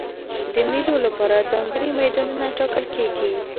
د مېلو له پاره ځانګړي میدانونه ټاکل کېږي.